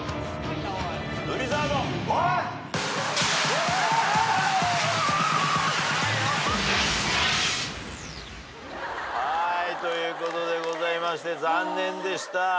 ブリザードオン！ということでございまして残念でした。